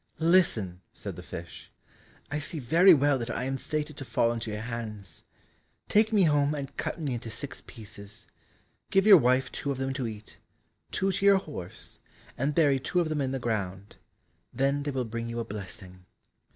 "Listen," said the fish, "I see very well that I am fated to fall into your hands, take me home and cut me into six pieces; give your wife two of them to eat, two to your horse and bury two of them in the ground, then they will bring you a blessing."